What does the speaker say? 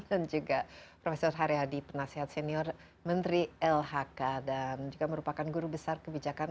dan juga profesor hari hadi penasihat senior menteri lhk dan juga merupakan guru besar kebun